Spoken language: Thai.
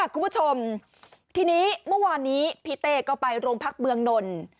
คุณผู้ชมทีนี้เมื่อวานนี้พี่เต้ก็ไปโรงพักเมืองนนท์